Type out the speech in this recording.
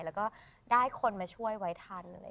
แล้วก็ได้คนมาช่วยไว้ทัน